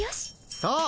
そう。